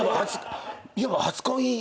いわば初恋の方。